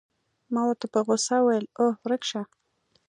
ما ورته په غوسه وویل: اوه، ورک شه.